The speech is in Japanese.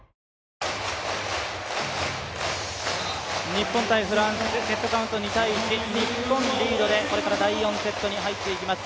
日本×フランスセットカウント２−１、日本リードでこれから第４セットに入っていきます。